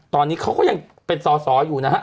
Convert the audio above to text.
ตอนนี้เขาก็ยังเป็นสอสออยู่นะฮะ